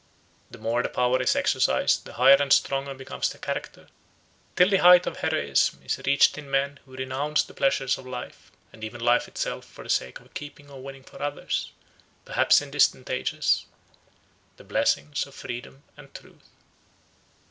The more the power is exercised the higher and stronger becomes the character; till the height of heroism is reached in men who renounce the pleasures of life and even life itself for the sake of keeping or winning for others, perhaps in distant ages, the blessings of freedom and truth.